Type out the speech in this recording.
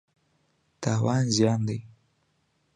تاوان زیان دی.